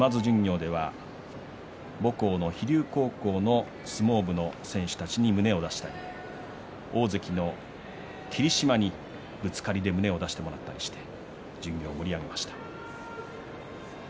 巡業にも参加して母校の飛龍高校の相撲部の選手たちに胸を出したり大関の霧島にぶつかりで胸を出してもらったり巡業で盛り上がりました。